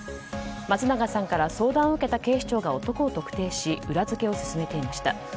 松永さんから相談を受けた警視庁が男を特定し裏付けを進めていました。